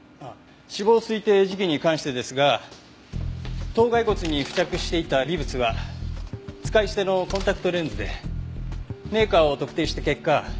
死亡推定時期に関してですが頭蓋骨に付着していた微物は使い捨てのコンタクトレンズでメーカーを特定した結果